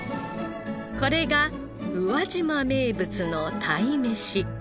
これが宇和島名物の鯛めし。